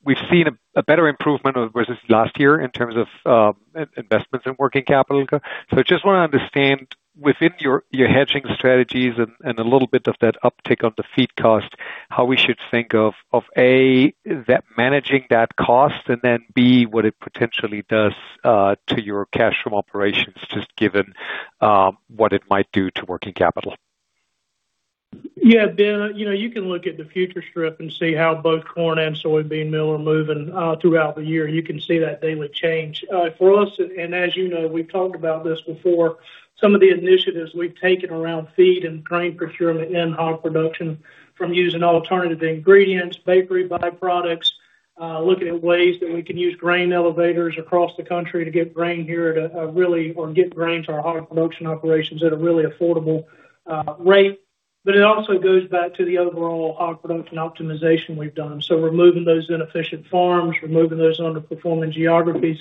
We've seen a better improvement versus last year in terms of investments in working capital. I just want to understand within your hedging strategies and a little bit of that uptick on the feed cost, how we should think of, A, that managing that cost, and then, B, what it potentially does to your cash from operations, just given what it might do to working capital. Yeah, Ben, you know, you can look at the future strip and see how both corn and soybean meal are moving throughout the year. You can see that daily change. For us, and as you know, we've talked about this before, some of the initiatives we've taken around feed and grain procurement in Hog Production from using alternative ingredients, bakery by-products, looking at ways that we can use grain elevators across the country to get grain to our Hog Production operations at a really affordable rate. It also goes back to the overall Hog Production optimization we've done. Removing those inefficient farms, removing those underperforming geographies,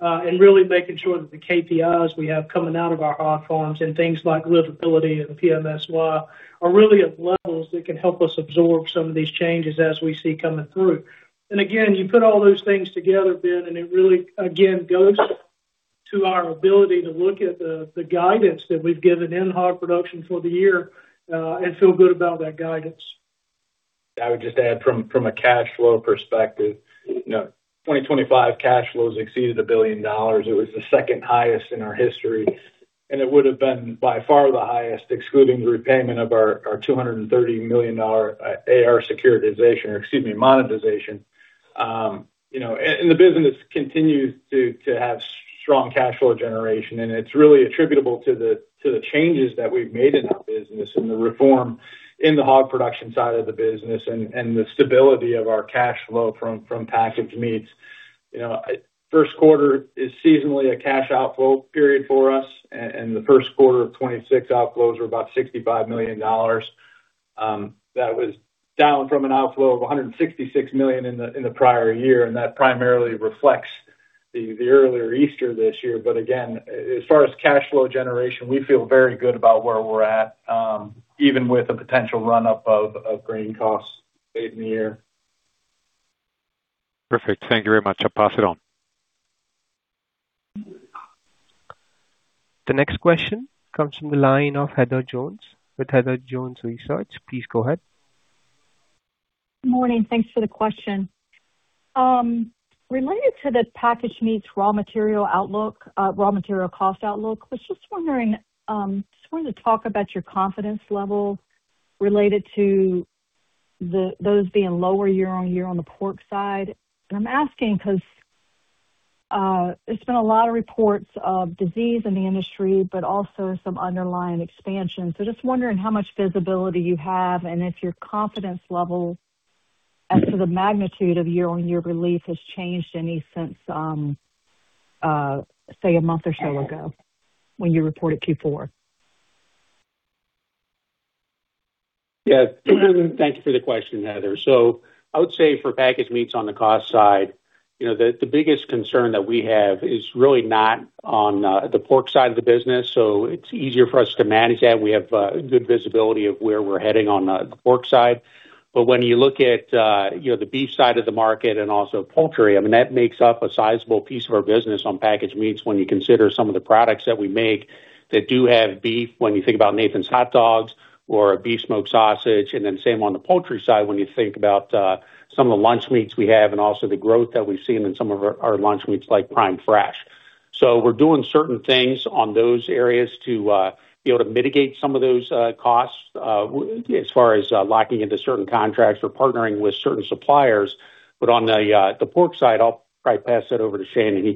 and really making sure that the KPIs we have coming out of our hog farms and things like livability and PMSY are really at levels that can help us absorb some of these changes as we see coming through. Again, you put all those things together, Ben, and it really, again, goes to our ability to look at the guidance that we've given in Hog Production for the year, and feel good about that guidance. I would just add from a cash flow perspective, you know, 2025 cash flows exceeded $1 billion. It was the second highest in our history, and it would have been by far the highest, excluding the repayment of our $230 million AR securitization, or excuse me, monetization. You know, and the business continues to have strong cash flow generation, and it's really attributable to the changes that we've made in our business and the reform in the Hog Production side of the business and the stability of our cash flow from Packaged Meats. You know, first quarter is seasonally a cash outflow period for us. The first quarter of 2026 outflows were about $65 million. That was down from an outflow of $166 million in the prior year, and that primarily reflects the earlier Easter this year. Again, as far as cash flow generation, we feel very good about where we're at, even with a potential run-up of grain costs late in the year. Perfect. Thank you very much. I'll pass it on. The next question comes from the line of Heather Jones with Heather Jones Research. Please go ahead. Morning. Thanks for the question. Related to the Packaged Meats raw material outlook, raw material cost outlook. I was just wondering, just wanted to talk about your confidence level related to those being lower year-on-year on the pork side. I'm asking because there's been a lot of reports of disease in the industry, but also some underlying expansion. Just wondering how much visibility you have and if your confidence level as to the magnitude of year-on-year relief has changed any since, say, a month or so ago when you reported Q4. Yeah. Thank you for the question, Heather. I would say for Packaged Meats on the cost side, you know, the biggest concern that we have is really not on the pork side of the business, so it's easier for us to manage that. We have good visibility of where we're heading on the pork side. When you look at, you know, the beef side of the market and also poultry, I mean, that makes up a sizable piece of our business on Packaged Meats when you consider some of the products that we make that do have beef, when you think about Nathan's Hot Dogs or a beef smoked sausage. Same on the poultry side, when you think about some of the lunch meats we have and also the growth that we've seen in some of our lunch meats like Prime Fresh. We're doing certain things on those areas to be able to mitigate some of those costs as far as locking into certain contracts or partnering with certain suppliers. On the pork side, I'll probably pass that over to Shane, and he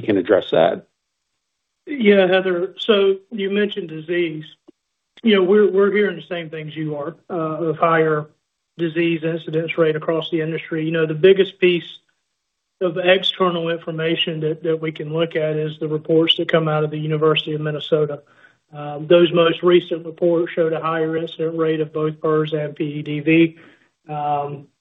can address that. Yeah, Heather. You mentioned disease. You know, we're hearing the same thing as you are of higher disease incidence rate across the industry. You know, the biggest piece of external information that we can look at is the reports that come out of the University of Minnesota. Those most recent reports showed a higher incident rate of both PRRS and PEDV.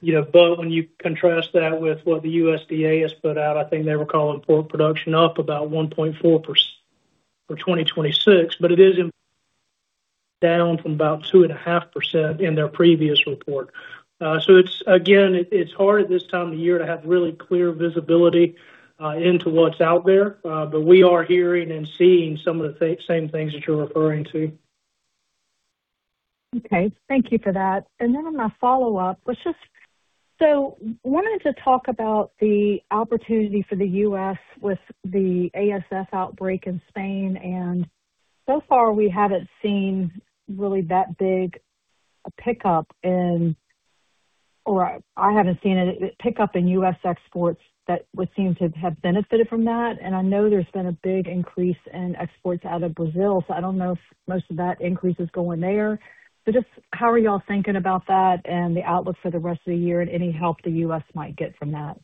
You know, when you contrast that with what the USDA has put out, I think they were calling pork production up about 1.4% for 2026, but it is down from about 2.5% in their previous report. It's again, it's hard this time of year to have really clear visibility into what's out there. We are hearing and seeing some of the same things that you're referring to. Okay. Thank you for that. On a follow-up. Wanted to talk about the opportunity for the U.S. with the ASF outbreak in Spain. So far we haven't seen really that big a pickup in or I haven't seen a pickup in U.S. exports that would seem to have benefited from that. I know there's been a big increase in exports out of Brazil. I don't know if most of that increase is going there. Just how are y'all thinking about that and the outlook for the rest of the year and any help the U.S. might get from that?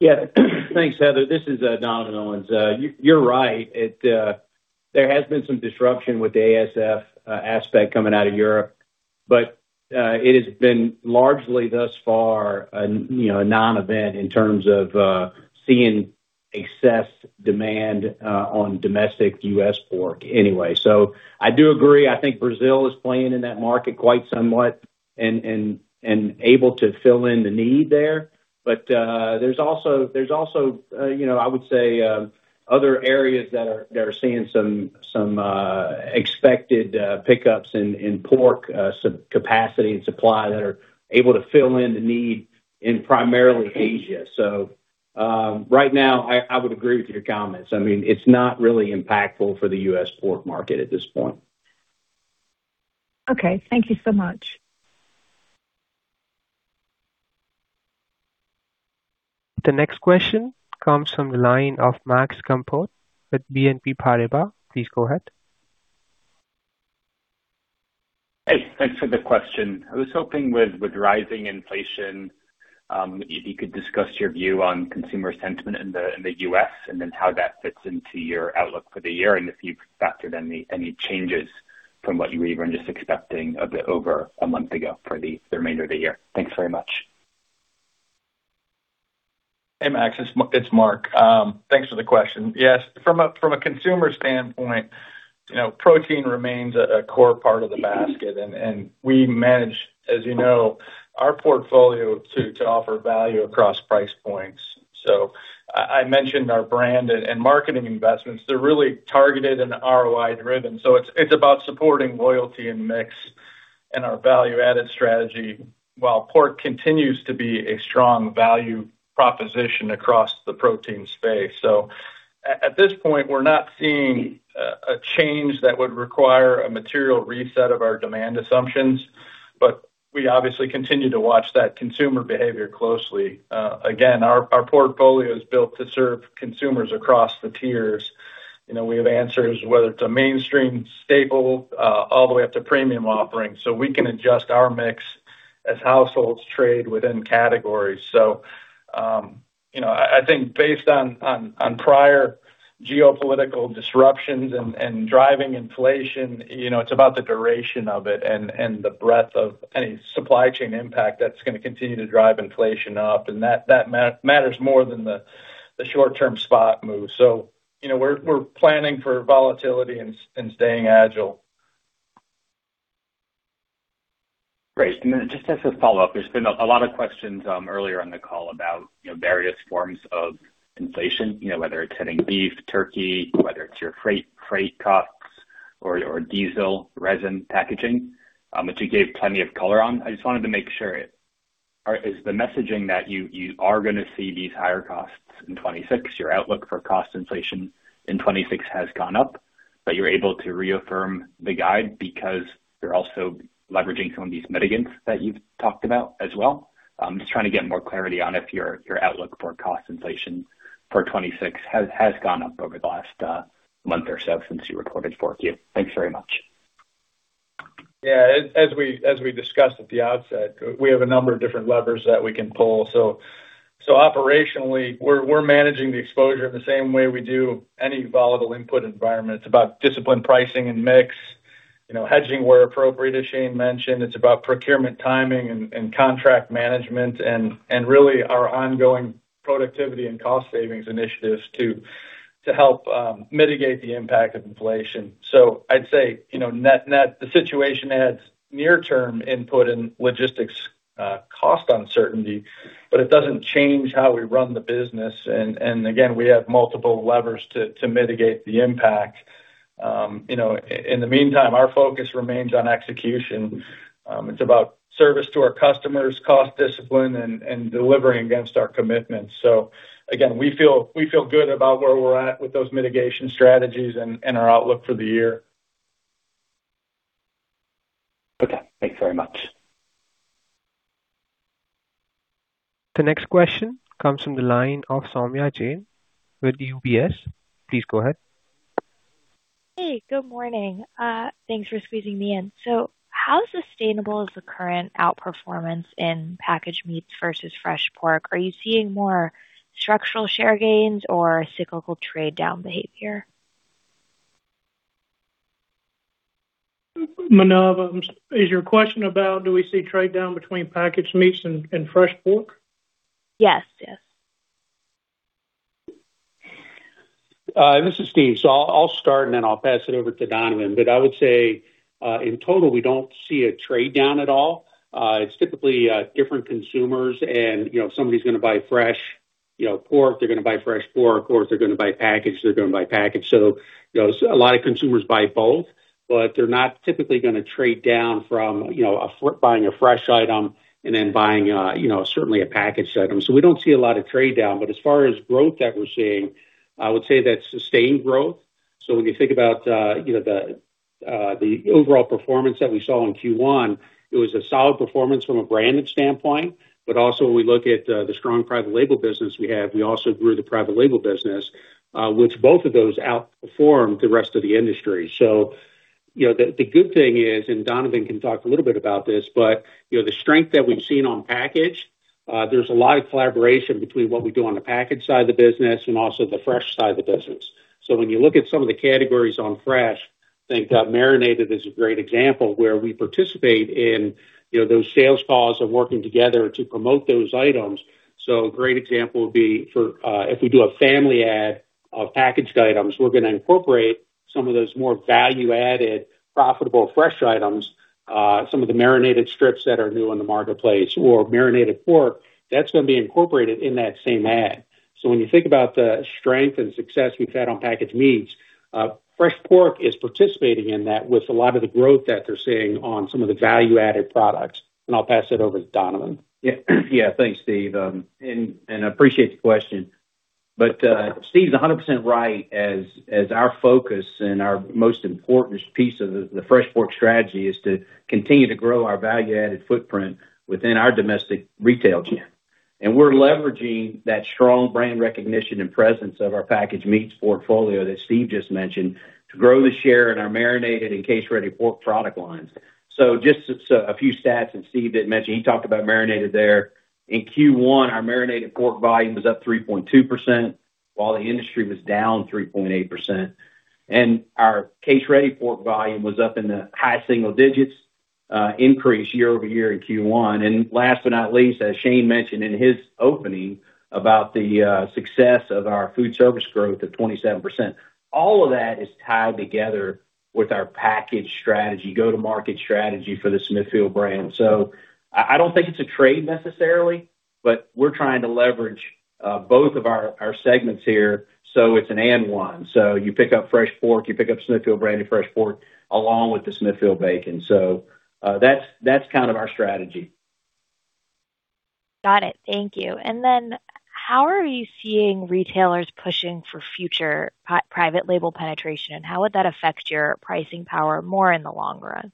Thanks, Heather. This is Don Owens. You're right. It, there has been some disruption with the ASF aspect coming out of Europe, but it has been largely thus far an, you know, a non-event in terms of seeing excess demand on domestic U.S. pork anyway. I do agree. I think Brazil is playing in that market quite somewhat and able to fill in the need there. There's also, you know, I would say, other areas that are seeing some expected pickups in pork capacity and supply that are able to fill in the need in primarily Asia. Right now, I would agree with your comments. I mean, it's not really impactful for the U.S. pork market at this point. Okay. Thank you so much. The next question comes from the line of Max Gumport with BNP Paribas. Please go ahead. Hey, thanks for the question. I was hoping with rising inflation, if you could discuss your view on consumer sentiment in the U.S. and then how that fits into your outlook for the year and if you've factored any changes from what you were even just expecting a bit over a month ago for the remainder of the year. Thanks very much. Hey, Max. It's Mark. Thanks for the question. Yes. From a consumer standpoint, you know, protein remains a core part of the basket, and we manage, as you know, our portfolio to offer value across price points. I mentioned our brand and marketing investments. They're really targeted and ROI-driven. It's about supporting loyalty and mix and our value-added strategy while pork continues to be a strong value proposition across the protein space. At this point, we're not seeing a change that would require a material reset of our demand assumptions, but we obviously continue to watch that consumer behavior closely. Again, our portfolio is built to serve consumers across the tiers. You know, we have answers, whether it's a mainstream staple, all the way up to premium offerings, so we can adjust our mix as households trade within categories. You know, I think based on prior geopolitical disruptions and driving inflation, you know, it's about the duration of it and the breadth of any supply chain impact that's gonna continue to drive inflation up, and that matters more than the short-term spot move. You know, we're planning for volatility and staying agile. Great. Just as a follow-up, there's been a lot of questions earlier on the call about, you know, various forms of inflation, you know, whether it's hitting beef, turkey, whether it's your freight costs or diesel resin packaging, which you gave plenty of color on. I just wanted to make sure. Is the messaging that you are gonna see these higher costs in 2026, your outlook for cost inflation in 2026 has gone up, but you're able to reaffirm the guide because you're also leveraging some of these mitigants that you've talked about as well? Just trying to get more clarity on if your outlook for cost inflation for 2026 has gone up over the last month or so since you reported 4Q. Thanks very much. Yeah, as we discussed at the outset, we have a number of different levers that we can pull. Operationally, we're managing the exposure in the same way we do any volatile input environment. It's about disciplined pricing and mix, you know, hedging where appropriate, as Shane mentioned. It's about procurement timing and contract management and really our ongoing productivity and cost savings initiatives to help mitigate the impact of inflation. I'd say, you know, net, the situation adds near-term input and logistics cost uncertainty, but it doesn't change how we run the business. Again, we have multiple levers to mitigate the impact. You know, in the meantime, our focus remains on execution. It's about service to our customers, cost discipline and delivering against our commitments. We feel good about where we're at with those mitigation strategies and our outlook for the year. Okay. Thanks very much. The next question comes from the line of Saumya Jain with UBS. Please go ahead. Hey, good morning. Thanks for squeezing me in. How sustainable is the current outperformance in Packaged Meats versus Fresh Pork? Are you seeing more structural share gains or cyclical trade down behavior? [Manavan], is your question about do we see trade down between Packaged Meats and Fresh Pork? Yes. Yes. This is Steve. I'll start and then I'll pass it over to Donovan. I would say, in total, we don't see a trade down at all. It's typically, different consumers and, you know, if somebody's gonna buy fresh, you know, pork, they're gonna buy fresh pork. Of course, if they're gonna buy packaged, they're gonna buy packaged. You know, a lot of consumers buy both, but they're not typically gonna trade down from, you know, buying a fresh item and then buying, you know, certainly a packaged item. We don't see a lot of trade down. As far as growth that we're seeing, I would say that's sustained growth. When you think about, you know, the overall performance that we saw in Q1, it was a solid performance from a branded standpoint. When we look at the strong private label business we have, we also grew the private label business, which both of those outperformed the rest of the industry. The good thing is, and Donovan can talk a little bit about this, but, you know, the strength that we've seen on Packaged, there's a lot of collaboration between what we do on the Packaged side of the business and also the Fresh side of the business. When you look at some of the categories on fresh, think, marinated is a great example where we participate in, you know, those sales calls of working together to promote those items. A great example would be for, if we do a family ad of packaged items, we're gonna incorporate some of those more value-added, profitable fresh items, some of the marinated strips that are new in the marketplace or marinated pork that's gonna be incorporated in that same ad. When you think about the strength and success we've had on Packaged Meats, Fresh Pork is participating in that with a lot of the growth that they're seeing on some of the value-added products. I'll pass it over to Donovan. Yeah. Yeah. Thanks, Steve. I appreciate the question. Steve's 100% right as our focus and our most important piece of the fresh pork strategy is to continue to grow our value-added footprint within our domestic retail chain. We're leveraging that strong brand recognition and presence of our Packaged Meats portfolio that Steve just mentioned to grow the share in our marinated and case-ready pork product lines. Just a few stats that Steve didn't mention. He talked about marinated there. In Q1, our marinated pork volume was up 3.2%, while the industry was down 3.8%. Our case-ready pork volume was up in the high single digits, increase year-over-year in Q1. Last but not least, as Shane mentioned in his opening about the success of our food service growth of 27%, all of that is tied together with our packaged strategy, go-to-market strategy for the Smithfield brand. I don't think it's a trade necessarily, but we're trying to leverage both of our segments here, so it's an add-on. You pick up fresh pork, you pick up Smithfield branded fresh pork along with the Smithfield bacon. That's kind of our strategy. Got it. Thank you. How are you seeing retailers pushing for future private label penetration? How would that affect your pricing power more in the long run?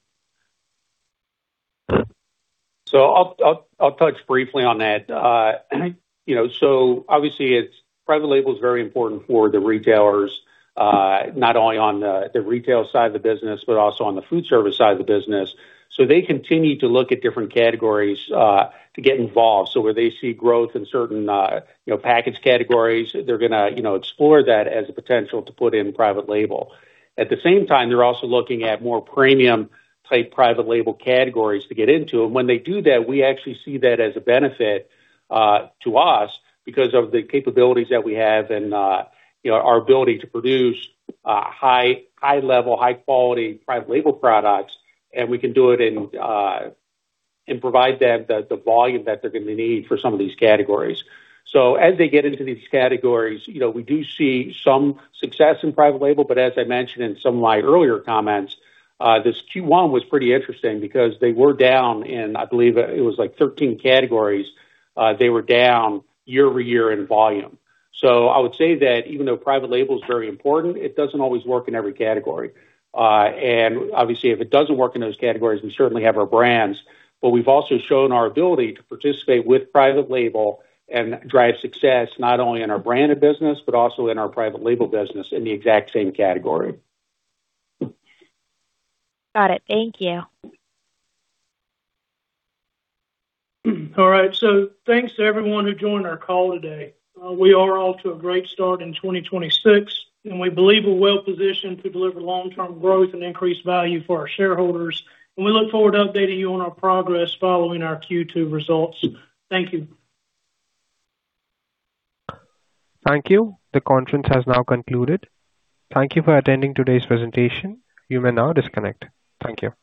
I'll touch briefly on that. You know, obviously private label is very important for the retailers, not only on the retail side of the business, but also on the food service side of the business. They continue to look at different categories to get involved. Where they see growth in certain, you know, packaged categories, they're going to, you know, explore that as a potential to put in private label. At the same time, they're also looking at more premium type private label categories to get into. When they do that, we actually see that as a benefit to us because of the capabilities that we have and, you know, our ability to produce high level, high quality private label products, and we can do it in and provide them the volume that they're gonna need for some of these categories. As they get into these categories, you know, we do see some success in private label, but as I mentioned in some of my earlier comments, this Q1 was pretty interesting because they were down in, I believe it was like 13 categories, they were down year-over-year in volume. I would say that even though private label is very important, it doesn't always work in every category. Obviously, if it doesn't work in those categories, we certainly have our brands. We've also shown our ability to participate with private label and drive success not only in our branded business, but also in our private label business in the exact same category. Got it. Thank you. All right. Thanks to everyone who joined our call today. We are off to a great start in 2026, and we believe we're well-positioned to deliver long-term growth and increased value for our shareholders, and we look forward to updating you on our progress following our Q2 results. Thank you. Thank you. The conference has now concluded. Thank you for attending today's presentation. You may now disconnect. Thank you.